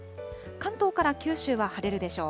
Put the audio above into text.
関東から九州は晴れるでしょう。